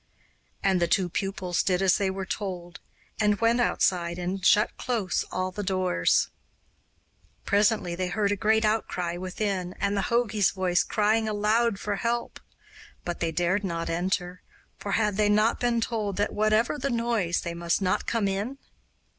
And the two pupils did as they were told, and went outside and shut close all the doors. Presently they heard a great outcry within and the jogi's voice crying aloud for help; but they dared not enter, for had they not been told that whatever the noise, they must not come in?